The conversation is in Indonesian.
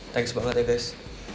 tegas banget ya guys